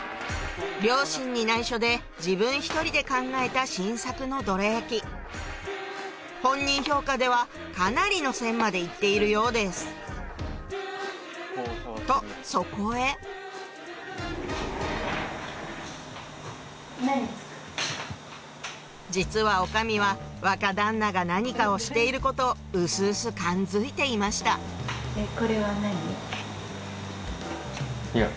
両親に内緒で自分１人で考えた新作のどら焼き本人評価ではかなりの線まで行っているようですとそこへ実は女将は若旦那が何かをしていることうすうす感づいていましたいや。